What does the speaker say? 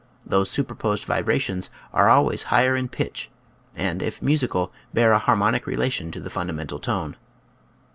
Those superposed vi brations are always higher in pitch and, if musical, bear a harmonic relation to the fun damental tone.